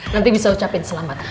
nanti bisa ucapin selamat